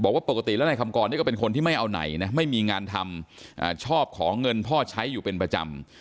ว่าปกติแล้วนายคำกรนี่ก็เป็นคนที่ไม่เอาไหนนะไม่มีงานทำชอบของเงินพ่อใช้อยู่เป็นประจำ